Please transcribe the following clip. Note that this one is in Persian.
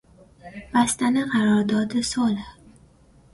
بستن قرار داد صلح